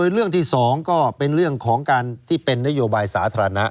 เรื่องที่๒ก็เป็นเรื่องของการที่เป็นนโยบายสาธารณะ